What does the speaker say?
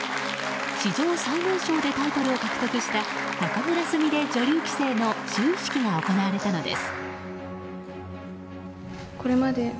史上最年少でタイトルを獲得した仲邑菫女流棋聖の就位式が行われたのです。